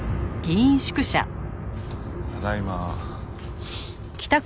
ただいま。